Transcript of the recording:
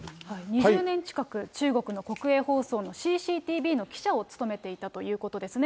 ２０年近く、中国の国営放送のＣＣＴＶの記者を務めていたということですね。